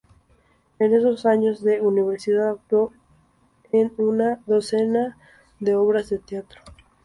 En esos años de universidad actuó en una docena de obras de teatro.